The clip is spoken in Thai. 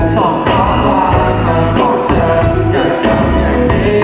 ส่องก็วางมาของเธออย่าทำอย่างนี้